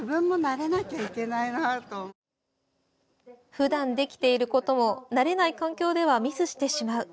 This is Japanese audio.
ふだんできていることも慣れない環境ではミスしてしまう。